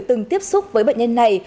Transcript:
từng tiếp xúc với bệnh nhân này